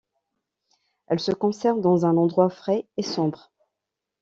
Elle se conserve dans un endroit frais et sombre.